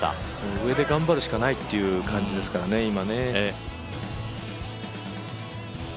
上で頑張るしかないという感じですからね、今ね。